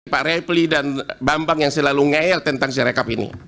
pak reply dan bambang yang selalu ngeyel tentang syarekap ini